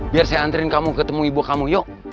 biar saya antriin kamu ketemu ibu kamu yuk